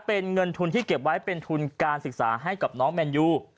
เป็นเงินทุนที่เก็บไว้เป็นทุนการศึกษาให้กับน้องแมนยู